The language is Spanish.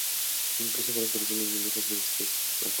Incluso varias versiones de muñecas Spice Girls para Mattel.